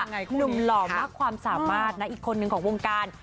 หนุ่มหล่อมากความสามารถนะอีกคนนึงของวงการ